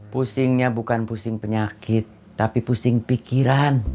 pusingnya bukan pusing penyakit tapi pusing pikiran